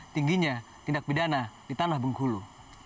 tingginya tindak pidana di tanah bengkulu